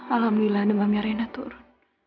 alhamdulillah demamnya rena turun